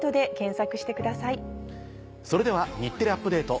それでは『日テレアップＤａｔｅ！』